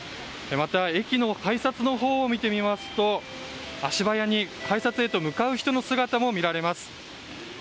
また、駅の改札のほうを見てみますと足早に改札へと向かう人の姿も見られます。